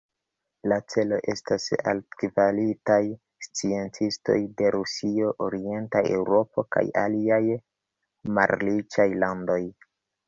La celo estas altkvalitaj sciencistoj de Rusio, orienta Eŭropo kaj aliaj malriĉaj landoj.